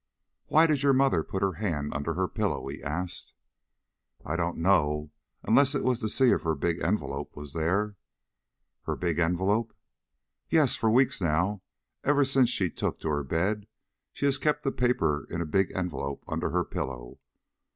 "Why did your mother put her hand under her pillow?" he asked. "I don't know, unless it was to see if her big envelope was there." "Her big envelope?" "Yes; for weeks now, ever since she took to her bed, she has kept a paper in a big envelope under her pillow.